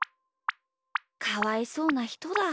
かわいそうなひとだ。